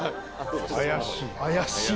怪しい。